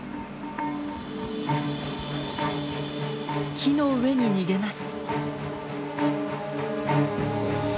木の上に逃げます。